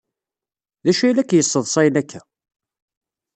D acu ay la k-yesseḍsayen akka?